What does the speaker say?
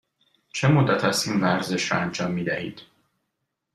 چه مدت است این ورزش را انجام می دهید؟